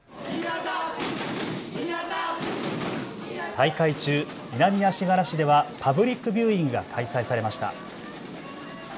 大会中、南足柄市ではパブリックビューイングが開催されました。